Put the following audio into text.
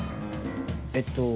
えっと。